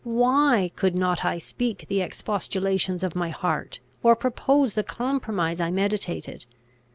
Why could not I speak the expostulations of my heart, or propose the compromise I meditated?